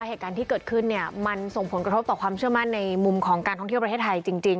เหตุการณ์ที่เกิดขึ้นเนี่ยมันส่งผลกระทบต่อความเชื่อมั่นในมุมของการท่องเที่ยวประเทศไทยจริง